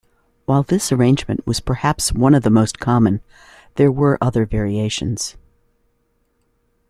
While this arrangement was perhaps one of the most common, there were other variations.